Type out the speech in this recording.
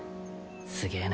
すげえな。